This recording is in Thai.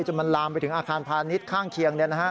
จนมันลามไปถึงอาคารพาณิชย์ข้างเคียง